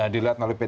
dilihat melalui pdlt